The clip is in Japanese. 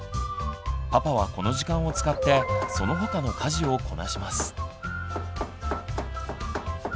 パパはこの時間を使ってその他の家事をこなします。